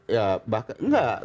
ya bahkan enggak